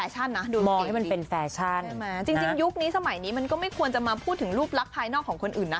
จริงยุคนี้สมัยนี้มันก็ไม่ควรจะมาพูดถึงรูปรักษณะภายนอกของคนอื่นน่ะ